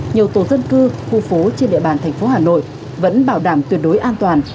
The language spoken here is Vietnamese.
nhiều tổ dân cư khu phố trên địa bàn thành phố hà nội vẫn bảo đảm tuyệt đối an toàn